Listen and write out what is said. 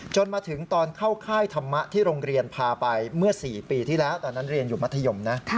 มาถึงตอนเข้าค่ายธรรมะที่โรงเรียนพาไปเมื่อ๔ปีที่แล้วตอนนั้นเรียนอยู่มัธยมนะ